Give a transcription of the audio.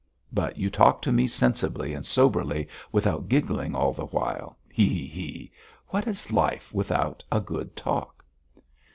But you talk to me sensibly and soberly, without giggling all the while. He he he! What is life without a good talk?"